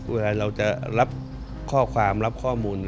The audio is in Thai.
เวลาเราจะรับข้อความรับข้อมูล